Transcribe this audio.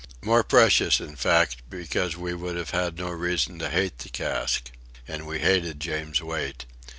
More precious, in fact, because we would have had no reason to hate the cask. And we hated James Wait.